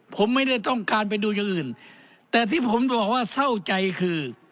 ผมไม่ได้ต้องการไปดูอย่างอื่นแต่ที่ผมจะบอกว่าเศร้าใจคือ